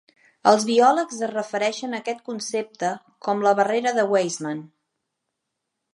Els biòlegs es referixen a aquest concepte com la barrera de Weismann.